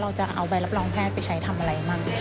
จะเอาใบรับรองแพทย์ไปใช้ทำอะไรบ้าง